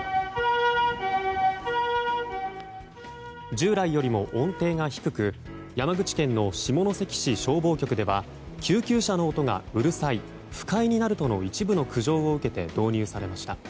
従来よりも音程が低く山口県の下関市消防局では救急車の音がうるさい不快になるとの一部の苦情を受けて導入されました。